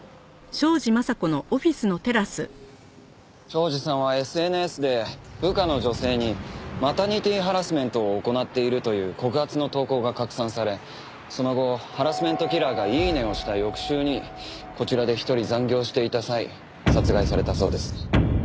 庄司さんはＳＮＳで部下の女性にマタニティハラスメントを行っているという告発の投稿が拡散されその後ハラスメントキラーがイイネ！をした翌週にこちらで一人残業していた際殺害されたそうです。